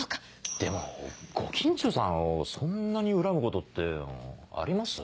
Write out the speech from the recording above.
でもご近所さんをそんなに恨むことってあります？